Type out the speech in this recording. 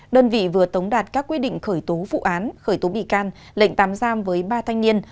đơn vị vừa tống đạt các quyết định khởi tố vụ án khởi tố bị can lệnh tạm giam với ba thanh niên